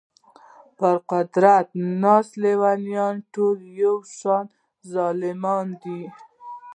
پر قدرت ناست لېونیان ټول یو شان ظالمان دي.